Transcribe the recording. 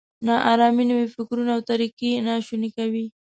نا ارامي نوي فکرونه او طریقې ناشوني کوي.